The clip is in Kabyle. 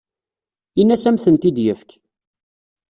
Ini-as ad am-tent-id-yefk.